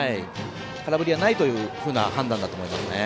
空振りはないというような判断だと思いますね。